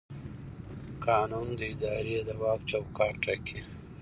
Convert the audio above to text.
قانون د ادارې د واک چوکاټ ټاکي.